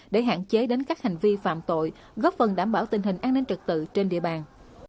để hạn chế đến các hành vi phạm tội góp phần đảm bảo tình hình an ninh trật tự trên địa bàn